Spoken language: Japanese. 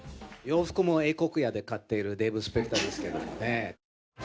洋服も英亟屋で買っているデーブ・スペクターですけどもね。